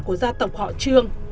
của gia tộc họ trương